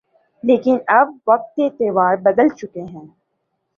لیکن اب وقت کے تیور بدل چکے ہیں۔